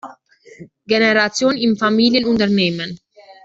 Generation im Familienunternehmen.